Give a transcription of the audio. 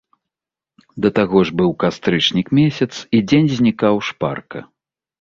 Да таго ж быў кастрычнік месяц, і дзень знікаў шпарка.